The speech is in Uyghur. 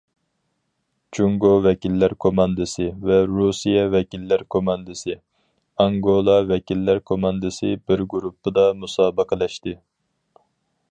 جۇڭگو ۋەكىللەر كوماندىسى ۋە رۇسىيە ۋەكىللەر كوماندىسى، ئانگولا ۋەكىللەر كوماندىسى بىر گۇرۇپپىدا مۇسابىقىلەشتى.